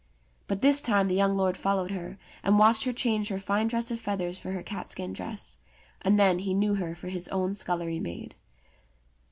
But this time the young lord followed her, and watched her change her fine dress of feathers for her catskin dress, and then he knew her for his own scullery maid.